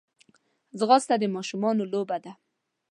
ځغاسته د ماشومانو لوبه ده